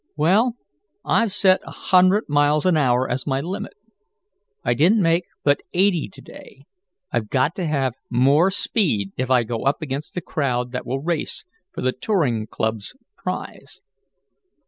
"Well, I've set a hundred miles an hour as my limit. I didn't make but eighty to day. I've got to have more speed if I go up against the crowd that will race for the touring club's prize."